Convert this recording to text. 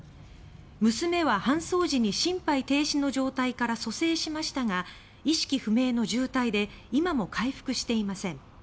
娘は搬送時に心肺停止の状態から蘇生しましたが意識不明の重体で今も回復していません。